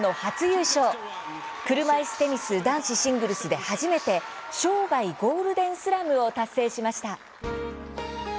車いすテニス・男子シングルスで初めて生涯ゴールデンスラムを達成しました。